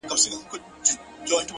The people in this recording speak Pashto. چي مرور نه یم چي در پُخلا سم تاته